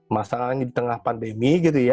masalahnya di tengah pandemi